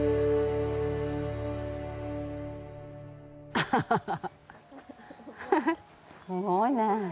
アハハハッすごいね。